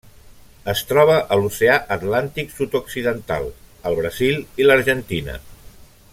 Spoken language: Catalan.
Es troba a l'Oceà Atlàntic sud-occidental: el Brasil i l'Argentina.